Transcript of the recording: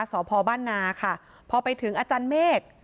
สพบ้านนาค่ะพอไปถึงอาจารย์เมฆ